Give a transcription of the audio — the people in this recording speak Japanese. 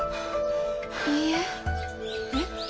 いいえ。えっ？